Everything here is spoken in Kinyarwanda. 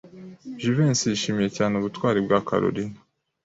Jivency yishimiye cyane ubutwari bwa Kalorina.